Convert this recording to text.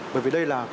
bởi vì đây là